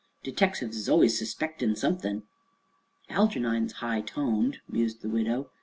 Detectives is allus suspectin' something." "Algernon's high toned," mused the widow.